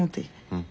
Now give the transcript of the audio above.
うん。